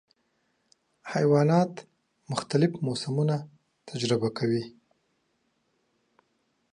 حیوانات مختلف موسمونه تجربه کوي.